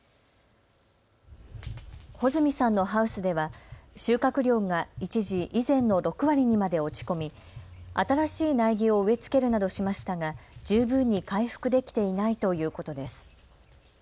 穂積さんのハウスでは収穫量が一時、以前の６割にまで落ち込み新しい苗木を植え付けるなどしましたが、十分に回復できていないということです。